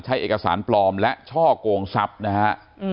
ใช้เอกสารปลอมและช่อกงทรัพย์นะฮะ